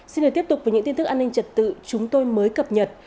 xin được tiếp tục với những tin tức an ninh trật tự chúng tôi mới cập nhật